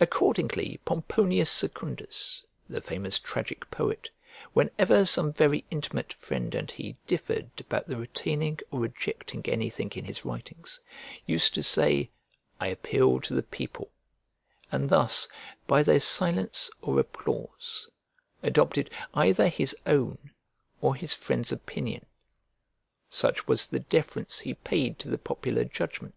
Accordingly, Pomponius Secundus, the famous tragic poet, whenever some very intimate friend and he differed about the retaining or rejecting anything in his writings, used to say, "I appeal to the people"; and thus, by their silence or applause, adopted either his own or his friend's opinion; such was the deference he paid to the popular judgment!